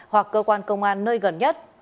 hoặc cơ quan công an nơi gần nhất